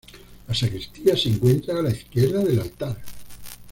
La sacristía se encuentra a la izquierda del altar.